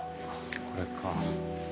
これか。